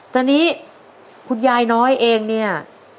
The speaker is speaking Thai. ตอนนี้คุณยายน้อยเองเนี่ย